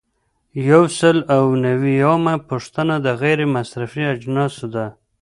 یو سل او نوي یمه پوښتنه د غیر مصرفي اجناسو ده.